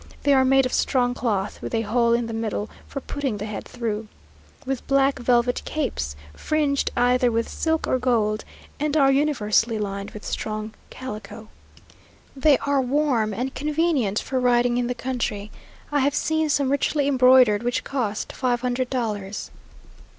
They are made of strong cloth, with a hole in the middle for putting the head through, with black velvet capes, fringed either with silk or gold, and are universally lined with strong calico. They are warm and convenient for riding in the country. I have seen some richly embroidered, which cost five hundred dollars.